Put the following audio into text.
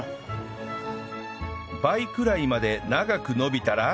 倍くらいまで長く伸びたら